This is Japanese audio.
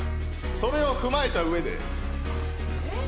それを踏まえたうえで。